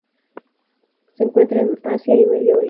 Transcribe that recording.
Se encuentra en Asia y Medio Oriente.